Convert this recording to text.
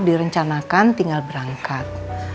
direncanakan tinggal berangkat